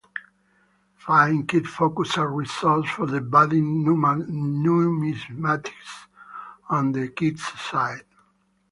Find kid-focused resources for the budding numismatist on the kids site.